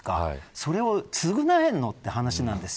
それを償えるのという話なんですよ。